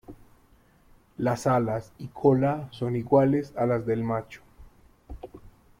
Las alas y cola son iguales a las del macho.